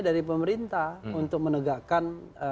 dari pemerintah untuk menegakkan